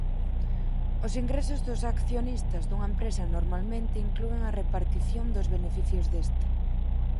Os ingresos dos accionistas dunha empresa normalmente inclúen a repartición dos beneficios desta.